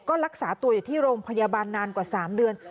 ก็รักษาตัวอยู่ที่โรงพยาบาลนานกว่า๓เดือน